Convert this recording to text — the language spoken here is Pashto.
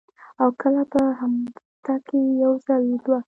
او کله پۀ هفته کښې یو ځل دوه ـ